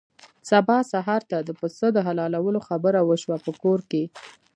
سبا سهار ته د پسه د حلالولو خبره وشوه په کور کې.